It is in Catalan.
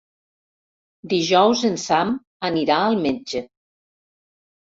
Dijous en Sam anirà al metge.